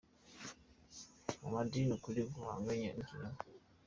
Mu madini ukuri guhanganye nikinyoma